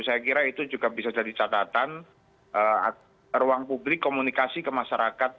saya kira itu juga bisa jadi catatan ruang publik komunikasi ke masyarakat